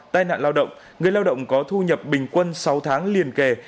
tai nạn lao động người lao động có thu nhập bình quân sáu tháng liên kề